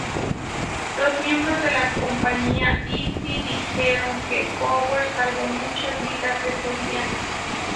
Los miembros de la Compañía Easy dijeron que Powers salvó muchas vidas ese día.